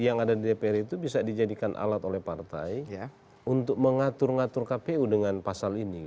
yang ada di dpr itu bisa dijadikan alat oleh partai untuk mengatur ngatur kpu dengan pasal ini